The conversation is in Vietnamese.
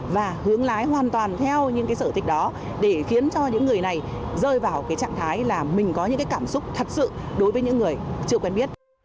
và hướng lái hoàn toàn theo những sở thích đó để khiến cho những người này rơi vào cái trạng thái là mình có những cảm xúc thật sự đối với những người chưa quen biết